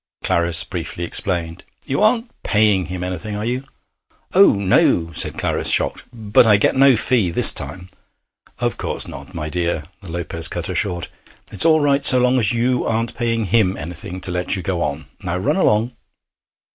Clarice briefly explained. 'You aren't paying him anything, are you?' 'Oh, no!' said Clarice, shocked. 'But I get no fee this time ' 'Of course not, my dear,' the Lopez cut her short. 'It's all right so long as you aren't paying him anything to let you go on. Now run along.'